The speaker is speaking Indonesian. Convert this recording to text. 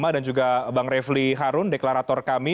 dan juga bang revli harun deklarator kami